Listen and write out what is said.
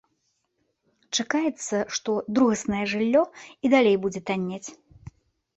Чакаецца, што другаснае жыллё і далей будзе таннець.